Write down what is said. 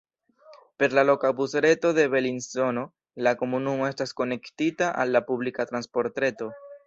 Per la loka busreto de Belinzono la komunumo estas konektita al la publika transportreto.